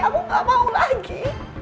aku gak mau lagi